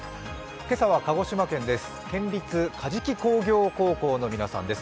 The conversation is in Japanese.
今朝は鹿児島県です。